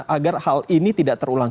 agar hal ini tidak terulang